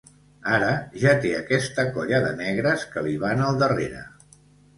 Ara ja té aquesta colla de negres que li van al darrere.